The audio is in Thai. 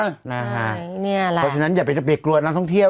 เพราะฉะนั้นอย่าไปกลัวนักท่องเที่ยว